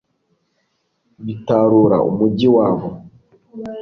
bitarura umugi wabo